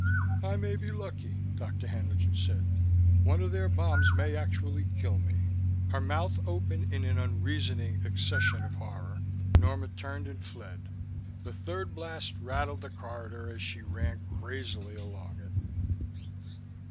"I may be lucky," Dr. Haenlingen said. "One of their bombs may actually kill me." Her mouth open in an unreasoning accession of horror, Norma turned and fled. The third blast rattled the corridor as she ran crazily along it.